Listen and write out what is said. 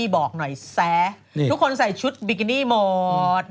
บอกหน่อยแซะทุกคนใส่ชุดบิกินี่หมด